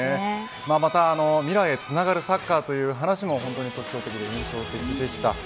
また未来につながるサッカーという話も特徴的で印象的でした。